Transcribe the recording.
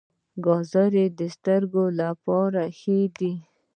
ګازرې د سترګو لپاره ښې دي